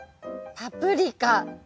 パプリカ。